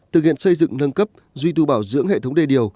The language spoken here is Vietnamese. thực hiện xây dựng nâng cấp duy tư bảo dưỡng hệ thống đề điều